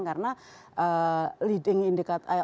karena leading indikator